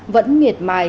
vẫn nghiệt mài